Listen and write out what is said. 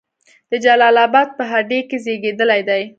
د جلال آباد په هډې کې زیږیدلی دی.